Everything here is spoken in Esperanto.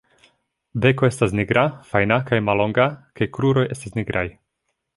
Beko estas nigra, fajna kaj mallonga kaj kruroj estas nigraj.